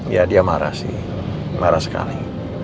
ya dia marah sih marah sekali